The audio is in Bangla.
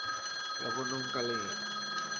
এর অপর নাম কালিন্দী।